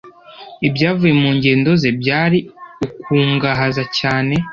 Ibyavuye mu ngendo ze byari ukungahaza cyane